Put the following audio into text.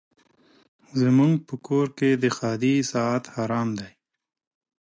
زموږ په کور کي د ښادۍ ساعت حرام دی